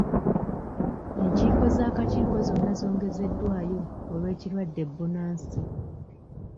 Enkiiko z'akakiiko zonna zongezeddwayo olw'ekirwadde bbunansi.